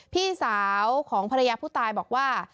พี่สาวของภรรยาผู้ตายบอกว่า